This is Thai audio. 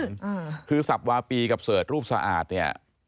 ๔๐๐๐๐๐บาทคือสัปปีกับเสิร์ฟรูปสะอาดเนี่ย